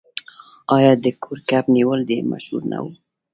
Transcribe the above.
آیا د کوډ کب نیول ډیر مشهور نه و؟